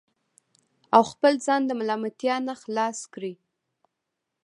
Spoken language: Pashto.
او خپل ځان د ملامتیا نه خلاص کړي